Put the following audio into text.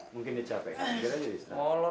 bagian bah directed oleh